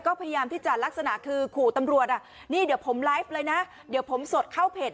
ก็พยายามที่จะลักษณะคือขู่ตำรวจอ่ะนี่เดี๋ยวผมไลฟ์เลยนะเดี๋ยวผมสดเข้าเพจ